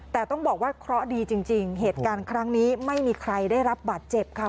แต่ต้องบอกว่าเคราะห์ดีจริงเหตุการณ์ครั้งนี้ไม่มีใครได้รับบาดเจ็บค่ะ